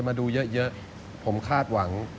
พี่พูดถึงฟ้าไหม